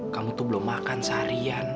kamu tuh belum makan seharian